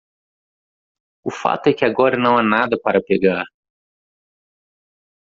O fato é que agora não há nada para pegar.